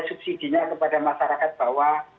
subsidinya kepada masyarakat bawah